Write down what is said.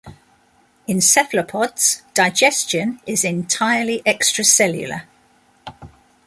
In cephalopods, digestion is entirely extracellular.